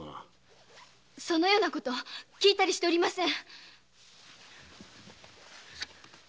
そのような事聞いておりません。